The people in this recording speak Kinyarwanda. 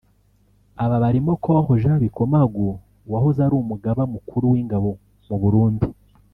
Aba barimo Col Jean Bikomagu wahoze ari Umugaba Mukuru w’Ingabo mu Burundi